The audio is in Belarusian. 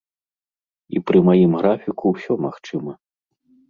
І пры маім графіку ўсё магчыма.